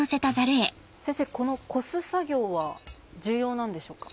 このこす作業は重要なんでしょうか？